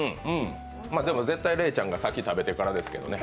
でも絶対、レイちゃんが先に食べてからですけどね。